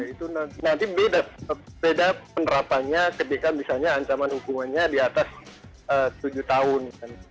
itu nanti beda penerapannya ketika misalnya ancaman hukumannya di atas tujuh tahun